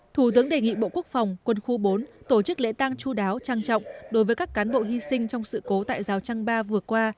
thủ tướng đề nghị bộ quốc phòng quân khu bốn tổ chức lễ tang chú đáo trang trọng đối với các cán bộ hy sinh trong sự cố tại giao trang ba vừa qua